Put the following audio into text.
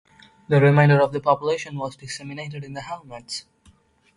The remainder of the population was disseminated in the hamlets.